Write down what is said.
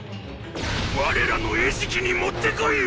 我らの餌食にもってこいよ！！